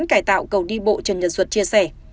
cải tạo cầu đi bộ trần nhật duật chia sẻ